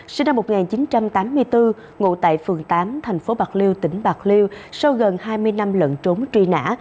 sinh năm một nghìn chín trăm tám mươi bốn ngụ tại phường tám thành phố bạc liêu tỉnh bạc liêu sau gần hai mươi năm lận trốn truy nã